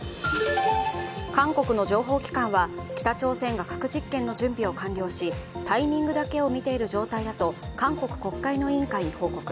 韓国の情報機関は北朝鮮が核実験の準備を完了しタイミングだけを見ている状態だと韓国国会の委員会に報告。